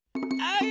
はい。